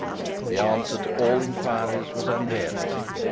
The answer to all inquiries was unvaried.